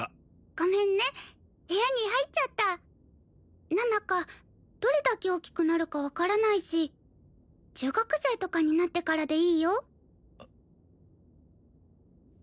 ごめんね部屋に入っちゃった菜々香どれだけ大きくなるか分からないし中学生とかになってからでいいよ